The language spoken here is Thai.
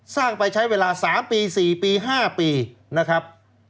ไปใช้เวลา๓ปี๔ปี๕ปีนะครับ